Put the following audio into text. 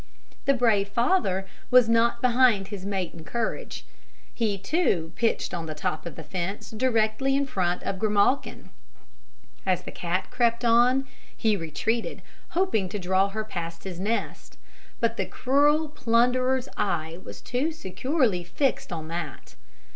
The brave father was not behind his mate in courage. He too pitched on the top of the fence directly in front of Grimalkin. As the cat crept on he retreated, hoping to draw her past his nest; but the cruel plunderer's eye was too securely fixed on that.